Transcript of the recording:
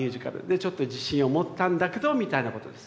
でちょっと自信を持ったんだけどみたいなことです。